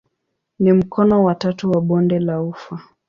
Ni mkono wa tatu wa bonde la ufa.